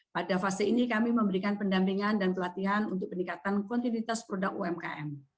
pada fase ini kami memberikan pendampingan dan pelatihan untuk peningkatan kontinuitas produk umkm